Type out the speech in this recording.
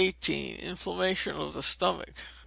Inflammation of the Stomach.